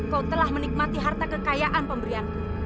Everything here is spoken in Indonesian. kau telah menikmati harta kekayaan pemberianku